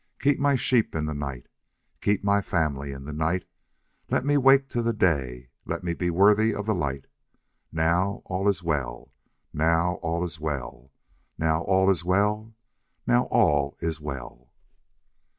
Keep my sheep in the night. Keep my family in the night. Let me wake to the day. Let me be worthy of the light. Now all is well, now all is well, Now all is well, now all is well.